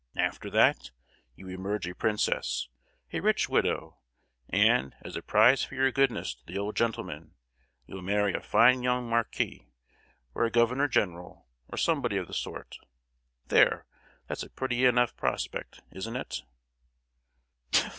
After that, you emerge a princess, a rich widow, and, as a prize for your goodness to the old gentleman, you'll marry a fine young marquis, or a governor general, or somebody of the sort! There—that's a pretty enough prospect, isn't it?"